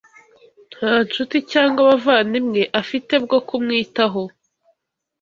Nta nshuti cyangwa abavandimwe afite bwo kumwitaho.